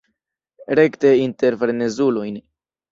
Rekte inter frenezulojn.